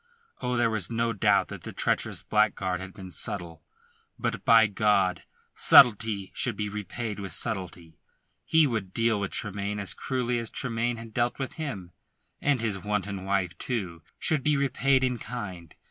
Oh, there was no doubt that the treacherous blackguard had been subtle. But by God! subtlety should be repaid with subtlety! He would deal with Tremayne as cruelly as Tremayne had dealt with him; and his wanton wife, too, should be repaid in kind.